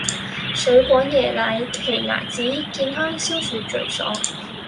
水果椰奶奇亞籽健康消暑最爽